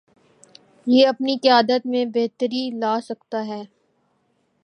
یہ اپنی قیادت میں بہتری لاسکتا ہے۔